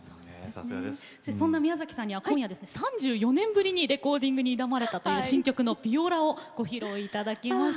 そんな宮崎さんには今夜３４年ぶりにレコーディングに挑まれたという新曲の「ビオラ」をご披露いただきます。